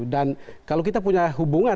dan kalau kita punya hubungan